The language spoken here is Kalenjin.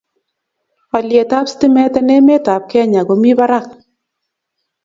Haliet ab stimet en' emet ab Kenya komie barak